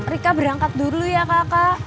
rika berangkat dulu ya kakak